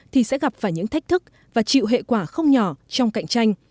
thì sẽ gặp phải những thách thức và chịu hệ quả không nhỏ trong cạnh tranh